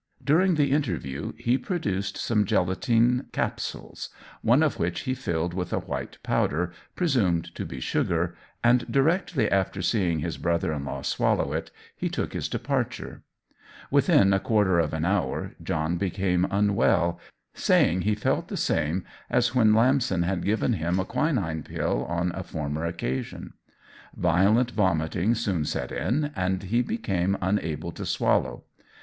During the interview he produced some gelatine capsules, one of which he filled with a white powder, presumed to be sugar, and directly after seeing his brother in law swallow it, he took his departure. Within a quarter of an hour John became unwell, saying he felt the same as when Lamson had given him a quinine pill on a former occasion. Violent vomiting soon set in, and he became unable to swallow.